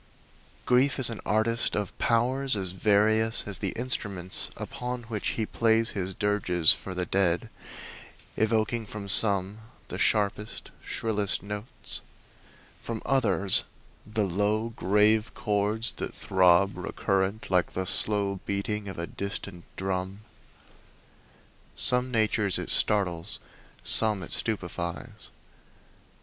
Grief is an artist of powers as various as the instruments upon which he plays his dirges for the dead, evoking from some the sharpest, shrillest notes, from others the low, grave chords that throb recurrent like the slow beating of a distant drum. Some natures it startles; some it stupefies.